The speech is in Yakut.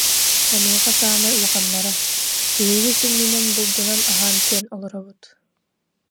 Онуоха саамай улаханнара: «Биһиги сүнньүнэн булдунан аһаан-сиэн олоробут